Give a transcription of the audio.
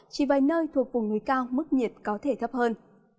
chỉ vài nơi thuộc vùng núi cao mức nhiệt có thể thấp hơn